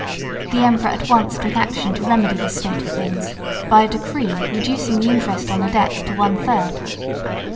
The emperor at once took action to remedy this state of things by a decree reducing the interest on the debt to one third.